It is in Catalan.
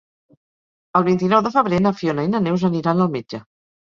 El vint-i-nou de febrer na Fiona i na Neus aniran al metge.